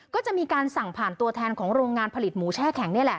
ก็จะมีการสั่งผ่านตัวแทนของโรงงานผลิตหมูแช่แข็งนี่แหละ